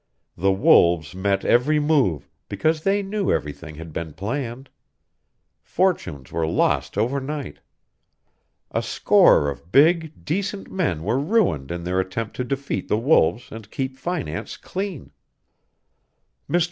The wolves met every move, because they knew everything that had been planned. Fortunes were lost overnight. A score of big, decent men were ruined in their attempt to defeat the wolves and keep finance clean. "Mr.